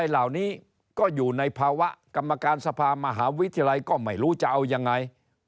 เหล่านี้ก็อยู่ในภาวะกรรมการสภามหาวิทยาลัยก็ไม่รู้จะเอายังไง